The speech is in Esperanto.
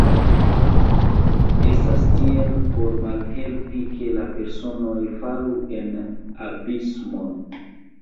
Estas tiel, por malhelpi, ke la personoj falu en abismon.